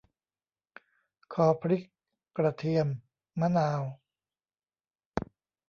ขอพริก กระเทียม มะนาว